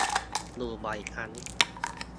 อยู่บ่อยครั้ง